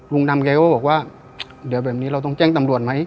ลุงดำแกก็บอกว่าเดี๋ยวแบบนี้เราต้องแจ้งตำรวจไหม